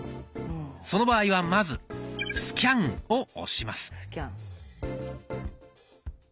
その場合はまず「スキャン」を押します。